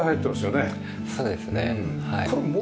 そうですねはい。